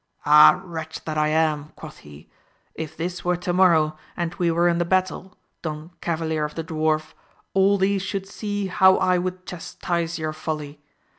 — Ah, wretch that I am, quoth he, if this were to morrow, and we were in the battle, Don Cavalier of the Dwarf, all these should see how I would chastise your folly